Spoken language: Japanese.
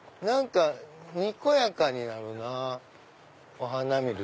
何かにこやかになるなぁ。